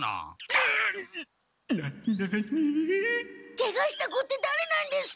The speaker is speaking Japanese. ケガした子ってだれなんですか！？